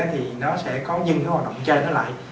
thì nó sẽ có những cái hoạt động chơi nó lại